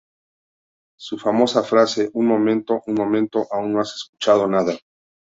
Su famosa frase "Un momento, un momento, aún no has escuchado nada!